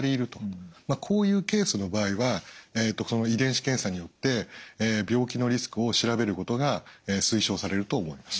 こういうケースの場合は遺伝子検査によって病気のリスクを調べることが推奨されると思います。